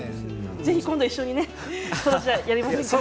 ぜひ今度一緒にやりましょうね。